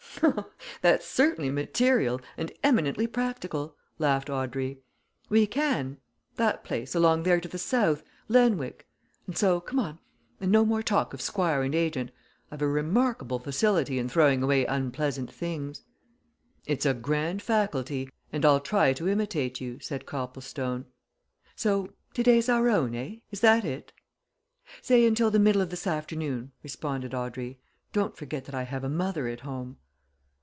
"That's certainly material and eminently practical," laughed Audrey. "We can that place, along there to the south Lenwick. And so, come on and no more talk of Squire and agent. I've a remarkable facility in throwing away unpleasant things." "It's a grand faculty and I'll try to imitate you," said Copplestone. "So today's our own, eh? Is that it?" "Say until the middle of this afternoon," responded Audrey. "Don't forget that I have a mother at home."